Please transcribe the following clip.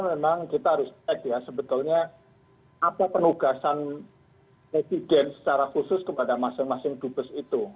memang kita harus cek ya sebetulnya apa penugasan presiden secara khusus kepada masing masing dubes itu